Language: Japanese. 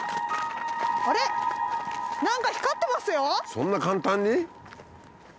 そんな簡単に？